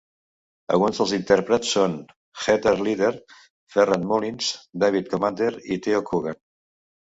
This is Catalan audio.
Alguns dels intèrprets són Heather Litteer, Farrad Mullins, David Commander i Theo Kogan.